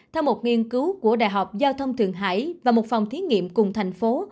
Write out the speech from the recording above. theo một nghiên cứu của đại học giao thông thượng hải và một phòng thí nghiệm cùng thành phố